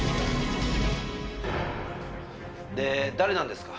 で誰なんですか？